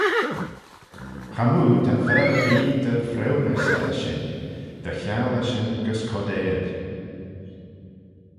Chamoo ta fer erbee dy vriwnys eddyr shin, dy chiangley shin gys coardail.